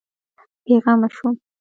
بېغمه شوم.